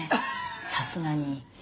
さすがに。